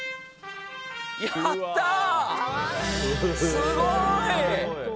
やったー！